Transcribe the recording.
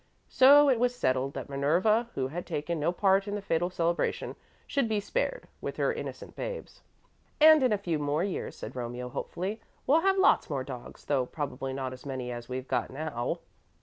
So it was settled that Minerva, who had taken no part in the fatal celebration, should be spared, with her innocent babes. "And in a few years more," said Romeo, hopefully, "we'll have lots more dogs, though probably not as many as we've got now."